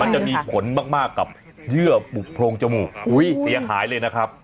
มันจะมีผลมากกับเยื่อปุกโพรงจมูกเสียหายเลยนะครับ